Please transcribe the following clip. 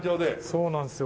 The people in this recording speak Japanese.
そうなんですよ